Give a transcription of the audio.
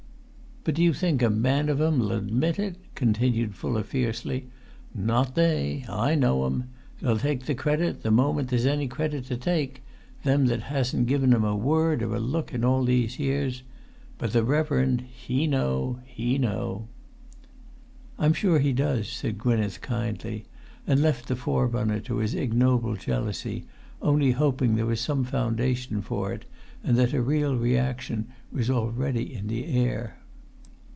"But do you think a man of 'em 'll admit it?" continued Fuller fiercely. "Not they—I know 'em.[Pg 324] They'll take the credit, the moment there's any credit to take—them that hasn't given him a word or a look in all these years. But the reverend, he know—he know!" "I'm sure he does," said Gwynneth, kindly; and left the forerunner to his ignoble jealousy, only hoping there was some foundation for it, and that a real reaction was already in the air.